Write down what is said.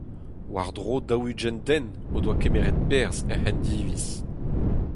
War-dro daou-ugent den o doa kemeret perzh er c'hendiviz.